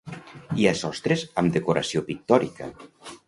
Hi ha sostres amb decoració pictòrica.